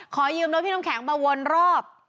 ขอยืมรถพี่น้ำแข็งมาวนรอบ